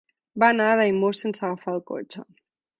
Va anar a Daimús sense agafar el cotxe.